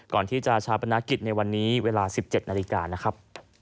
ก่อนที่จะชาปนากิจในวันนี้เวลา๑๗นาฬิกานะครับ